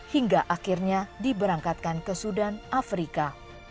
hingga akhirnya diberangkatkan ke sudan afrika